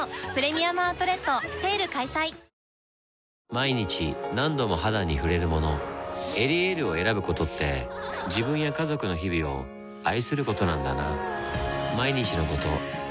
毎日何度も肌に触れるもの「エリエール」を選ぶことって自分や家族の日々を愛することなんだなぁ